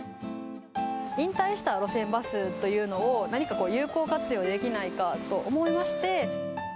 引退した路線バスというのを、何か有効活用できないかと思いまして。